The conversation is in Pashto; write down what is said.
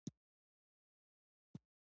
د تربوز پوستکی د څارویو خوراک دی.